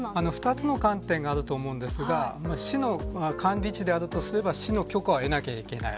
２つの観点があると思いますが市の管理地であるとすれば市の許可を得なければいけない。